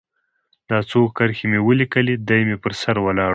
دا څو کرښې مې ولیکلې، دی مې پر سر ولاړ و.